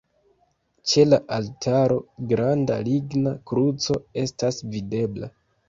Ĉe la altaro granda ligna kruco estas videbla.